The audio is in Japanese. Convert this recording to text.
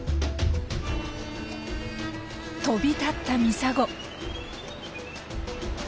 飛び立ったミサゴ。